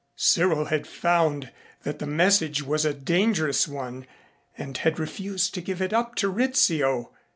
Cyril had found that the message was a dangerous one and had refused to give it up to Rizzio.